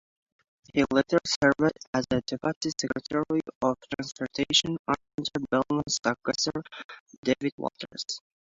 He later served as a deputy secretary of transportation under Bellmon's successor, David Walters.